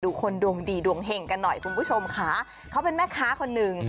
คนดวงดีดวงเห่งกันหน่อยคุณผู้ชมค่ะเขาเป็นแม่ค้าคนหนึ่ง